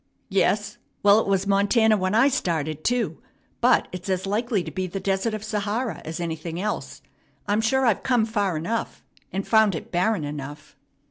"Yes? Well, it was Montana when I started, too; but it's as likely to be the Desert of Sahara as anything else. I'm sure I've come far enough, and found it barren enough."